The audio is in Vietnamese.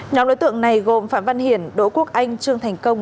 nhóm đối tượng này gồm phạm văn hiển đỗ quốc anh trương thành công